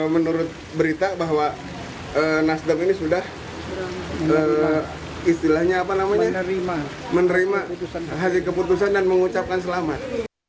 menurut berita bahwa nasdem ini sudah menerima hasil keputusan dan mengucapkan selamat